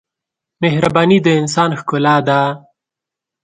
مهرباني د انسان ښکلا ده.